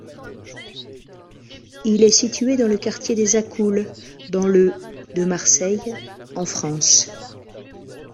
Il est situé dans le quartier des Accoules, dans le de Marseille, en France.